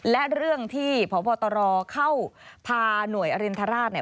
และเรื่องที่พระพอตรเข้าพาหน่วยอรินทราช